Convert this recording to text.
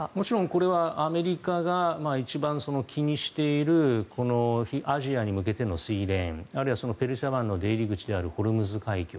これはアメリカが一番気にしているこのアジアに向けてのシーレーンあるいはペルシャ湾の出入り口であるホルムズ海峡。